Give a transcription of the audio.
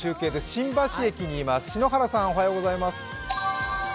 新橋駅にいます篠原さんおはようございます。